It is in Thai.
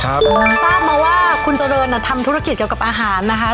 ทราบมาว่าคุณเจริญอ่ะทำธุรกิจเกี่ยวกับอาหารนะคะ